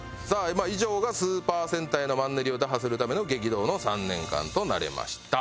以上がスーパー戦隊のマンネリを打破するための激動の３年間となりました。